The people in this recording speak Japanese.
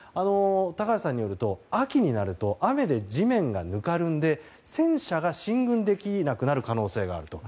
高橋さんによると、秋になると雨で地面がぬかるんで戦車が進軍できなくなる可能性があると。